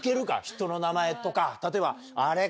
人の名前とか例えばあれ？